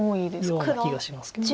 ような気がしますけど。